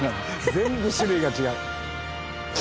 全部種類が違う。